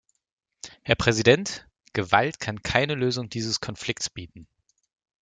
Herr Präsident! Gewalt kann keine Lösung dieses Konflikts bieten.